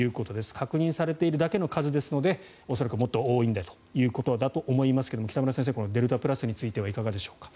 確認されているだけの数ですので恐らくもっと多いんだろうと思いますが北村先生このデルタプラスについてはいかがでしょうか？